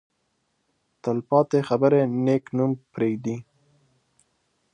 تل پاتې خبرې نېک نوم پرېږدي.